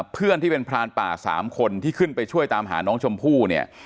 เพื่อนที่เป็นพรานป่า๓คนที่ขึ้นไปช่วยตามหาน้องชมพู่เนี่ย